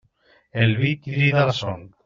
El vi crida la son.